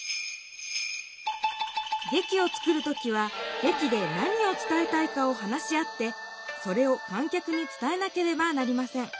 劇を作る時は劇で何を伝えたいかを話し合ってそれを観客に伝えなければなりません。